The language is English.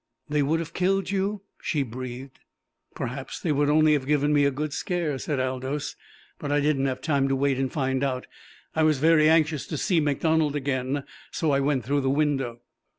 "They would have killed you?" she breathed. "Perhaps they would only have given me a good scare," said Aldous. "But I didn't have time to wait and find out. I was very anxious to see MacDonald again. So I went through the window!"